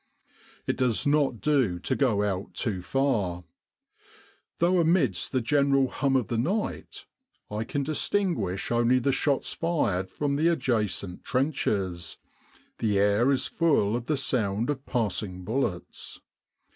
It does not do to go out too far. Though amidst the general hum of the night I can distinguish only the shots fired from the adjacent trenches, the air is full of the sound of passing bullets.